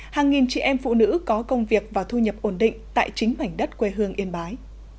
hàng nghìn chị em phụ nữ có công việc và thu nhập ổn định tại chính mảnh đất quê hương yên bái